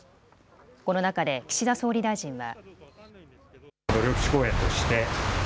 この中で岸田総理大臣は。